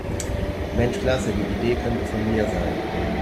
Mensch Klasse, die Idee könnte von mir sein.